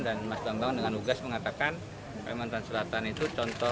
dan mas bambang dengan ugas mengatakan kalimantan selatan itu contoh